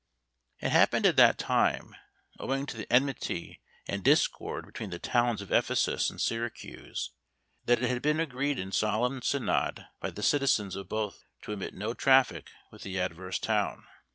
It happened at that time, owing to the enmity and discord between the towns of Ephesus and Syracuse, that it had been agreed in solemn synod by the citizens of both to admit no traffic with the adverse town.